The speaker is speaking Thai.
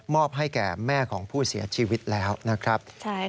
ให้แก่แม่ของผู้เสียชีวิตแล้วนะครับ